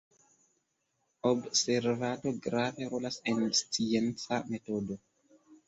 Observado grave rolas en scienca metodo.